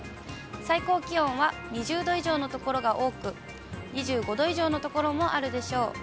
最高気温は２０度以上の所が多く、２５度以上の所もあるでしょう。